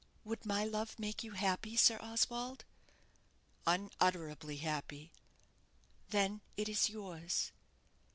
"Would my love make you happy, Sir Oswald?" "Unutterably happy." "Then it is yours."